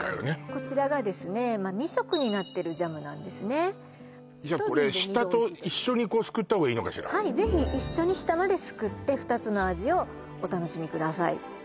こちらがですね２色になってるジャムなんですねじゃこれ下と一緒にすくった方がいいのかしらはいぜひ一緒に下まですくって２つの味をお楽しみください